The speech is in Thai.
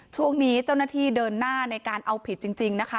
ช่วงนี้เจ้าหน้าที่เดินหน้าในการเอาผิดจริงนะคะ